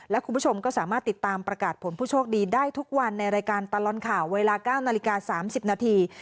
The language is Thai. และคุณผู้ชมก็สามารถติดตามประกาศผลผู้โชคดีได้ทุกวันในรายการตลอดข่าวเวลา๙นาฬิกา๓๐นาที